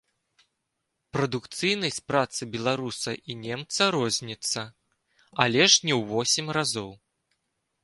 Прадукцыйнасць працы беларуса і немца розніцца, але ж не ў восем разоў.